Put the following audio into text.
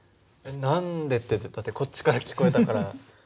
何でってだってこっちから聞こえたから。